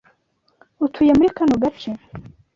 Utuye muri kano gace?